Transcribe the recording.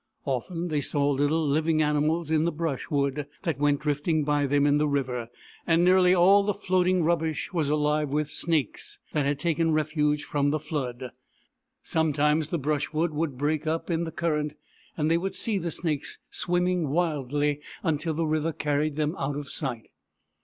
Often they saw little living animals in the brush wood that went drifting by them in the river ; and nearly all the floating rubbish was alive with snakes that had taken refuge from the flood. Some BOORAN, THE PELICAN 87 times the brushwood would break up in the cur rent, and they would see the snakes swimming wildly until the river carried them out of sight.